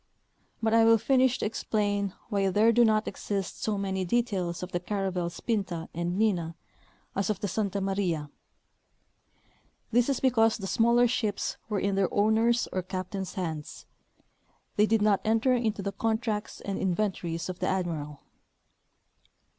But I will finish to explain why there do not exist so many details of the caravels Pinta and Nina as of the Santa Maria. This is because tlie smaller ships were in their owners' or cap tains' hands ; they did not enter into the contracts and inven tories of the admiral.